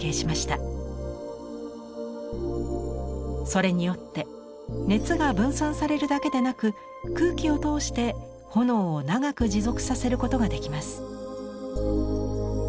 それによって熱が分散されるだけでなく空気を通して炎を長く持続させることができます。